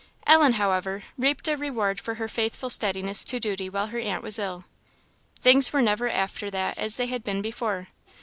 Ellen, however, reaped a reward for her faithful steadiness to duty while her aunt was ill. Things were never after that as they had been before.